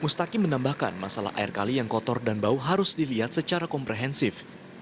mustaki menambahkan masalah air kali yang kotor dan bau harus dilihat secara komprehensif